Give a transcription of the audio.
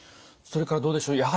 それからどうでしょう。